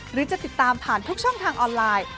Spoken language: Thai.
หรือจะติดตามผ่านทุกช่องทางออนไลน์